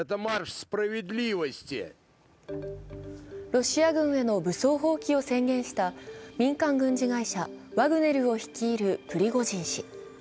ロシア軍への武装蜂起を宣言した民間軍事会社ワグネルを率いるプリゴジン氏。